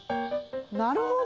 なるほど。